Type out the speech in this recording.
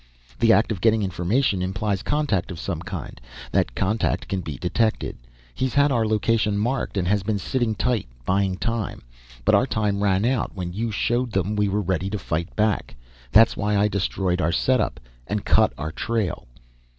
The act of getting information implies contact of some kind, that contact can be detected. He's had our location marked and has been sitting tight, buying time. But our time ran out when you showed them we were ready to fight back. That's why I destroyed our setup, and cut our trail."